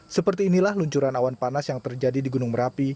seperti inilah luncuran awan panas yang terjadi di gunung merapi